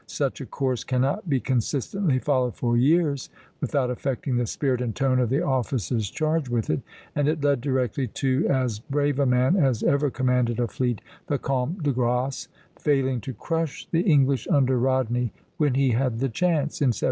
Such a course cannot be consistently followed for years without affecting the spirit and tone of the officers charged with it; and it led directly to as brave a man as ever commanded a fleet, the Comte de Grasse, failing to crush the English under Rodney when he had the chance, in 1782.